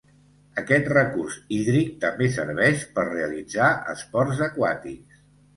Aquest recurs hídric també serveix per realitzar esports aquàtics.